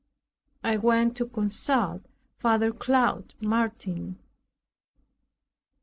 I went to consult Father Claude Martin.